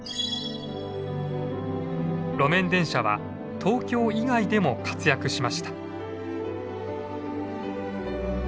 路面電車は東京以外でも活躍しました。